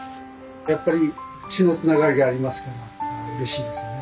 やっぱり血のつながりがありますからうれしいですよね。